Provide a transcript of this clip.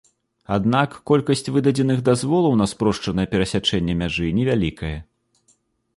Аднак колькасць выдадзеных дазволаў на спрошчанае перасячэнне мяжы невялікая.